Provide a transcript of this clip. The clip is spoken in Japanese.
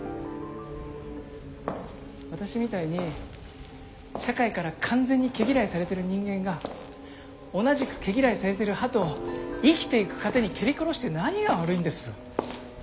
私みたいに社会から完全に毛嫌いされてる人間が同じく毛嫌いされてるハトを生きていく糧に蹴り殺して何が悪いんです？